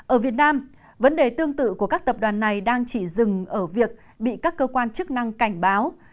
ở việt nam vấn đề tương tự của các tập đoàn này đang chỉ dừng ở việc bị các cơ quan chức năng cảnh báo